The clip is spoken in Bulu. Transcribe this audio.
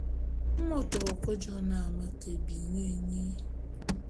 Mot w'ake jô na me ke bi nye nyi.